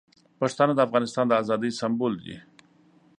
پښتانه د افغانستان د ازادۍ سمبول دي.